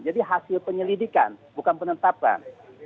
jadi hasil penyelidikan bukan penetapan